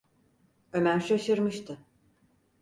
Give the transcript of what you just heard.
Ömer şaşırmıştı.